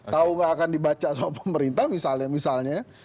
tahu nggak akan dibaca sama pemerintah misalnya